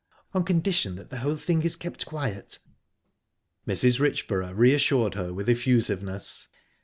"On condition that the whole thing is kept quiet." Mrs. Richborough reassured her with effusiveness.